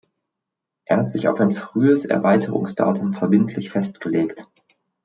Er hat sich auf ein frühes Erweiterungsdatum verbindlich festgelegt.